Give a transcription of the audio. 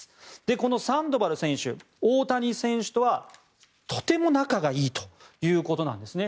このサンドバル選手大谷選手とはとても仲がいいということなんですね。